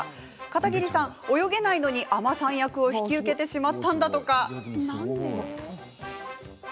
片桐さん、泳げないのに海女さん役を引き受けてしまったんだとか。